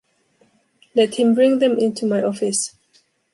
Let him bring them into my office.